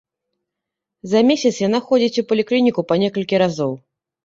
За месяц яна ходзіць у паліклініку па некалькі разоў.